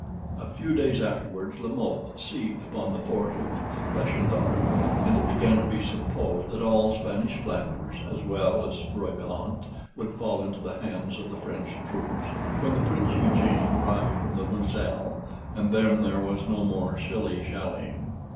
A few days afterwards La Mothe seized upon the fort of Plashendall: and it began to be supposed that all Spanish Flanders, as well as Brabant, would fall into the hands of the French troops; when the Prince Eugene arrived from the Mozelle, and then there was no more shilly shallying.